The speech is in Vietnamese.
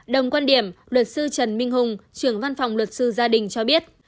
đồng quan điểm luật sư trần minh hùng trưởng văn phòng luật sư gia đình cho biết